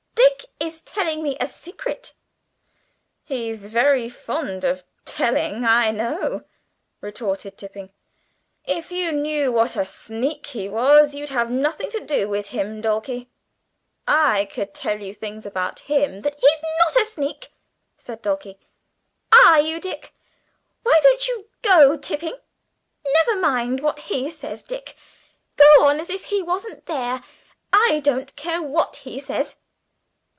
Dick is telling me a secret." "He's very fond of telling, I know," retorted Tipping. "If you knew what a sneak he was you'd have nothing to do with him, Dulcie. I could tell you things about him that " "He's not a sneak," said Dulcie. "Are you, Dick? Why don't you go, Tipping. Never mind what he says, Dick; go on as if he wasn't there. I don't care what he says!"